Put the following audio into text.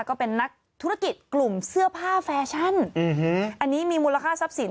ก็เป็นนักธุรกิจกลุ่มเสื้อผ้าแฟชั่นอันนี้มีมูลค่าทรัพย์สิน